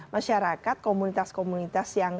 masyarakat komunitas komunitas yang